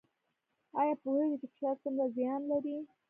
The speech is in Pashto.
ایا پوهیږئ چې فشار څومره زیان لري؟